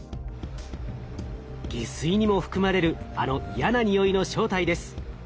下水にも含まれるあの嫌なにおいの正体です。